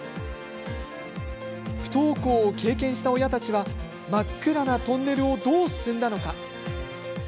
不登校を経験した親たちは真っ暗なトンネルをどう進んだのか。